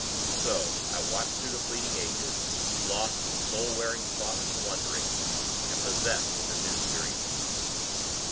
So, I watched through the fleeting ages, lost in soul wearing thoughts and wonderings, and possessed with a new weariness.